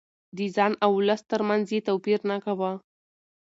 د ځان او ولس ترمنځ يې توپير نه کاوه.